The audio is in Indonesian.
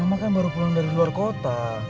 emang kan baru pulang dari luar kota